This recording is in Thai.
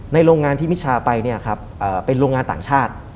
ในโรงงานที่มิชชาไปเป็นโรงงานต่างชาติ